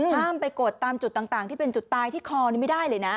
ห้ามไปกดตามจุดต่างที่เป็นจุดตายที่คอนี่ไม่ได้เลยนะ